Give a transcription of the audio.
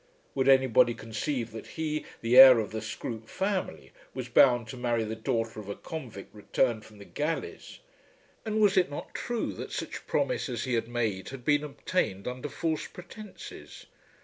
Would anybody conceive that he, the heir of the Scroope family, was bound to marry the daughter of a convict returned from the galleys? And was it not true that such promise as he had made had been obtained under false pretences?